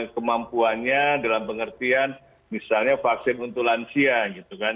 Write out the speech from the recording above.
kemampuannya dalam pengertian misalnya vaksin untuk lansia gitu kan